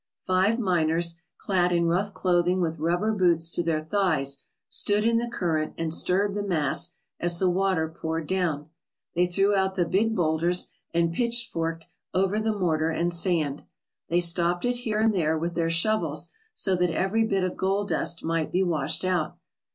Five miners, clad in rough clothing with rubber boots to their thighs, stood in the current and stirred the mass as the water poured down. They threw out the big boulders and pitchforked over the mortar and sand. They stopped it here and there with their shovels, so that every bit of gold dust might be washed out.